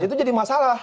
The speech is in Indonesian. itu jadi masalah